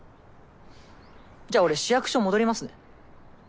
じゃあ俺市役所戻りますね。